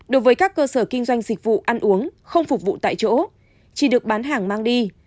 đối với các cơ sở kinh doanh dịch vụ ăn uống không phục vụ tại chỗ chỉ được bán hàng mang đi